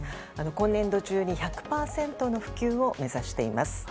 今年度中に１００％の普及を目指しています。